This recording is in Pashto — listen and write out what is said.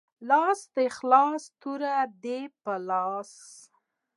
لاس دی خلاص توره دی په لاس